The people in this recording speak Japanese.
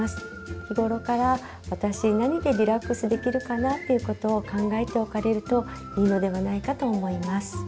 日頃から私何でリラックスできるかなっていうことを考えておかれるといいのではないかと思います。